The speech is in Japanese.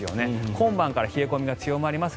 今晩から冷え込みが強まります。